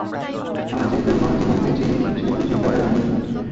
আর যেহেতু নয় জীবন পেয়েছি, সেহেতু চিন্তার কারণ নেই।